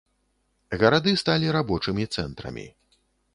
Гарады сталі рабочымі цэнтрамі.